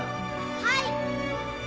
はい。